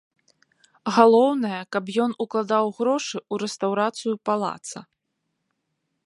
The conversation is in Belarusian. Галоўнае, каб ён укладаў грошы ў рэстаўрацыю палаца.